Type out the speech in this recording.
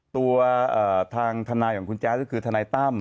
ตัวทางทนายของคุณแจ๊ดก็คือทนายตั้ม